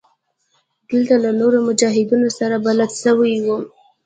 دلته له نورو مجاهدينو سره بلد سوى وم.